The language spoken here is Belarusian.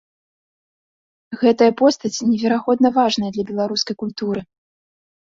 Гэтая постаць неверагодна важная для беларускай культуры.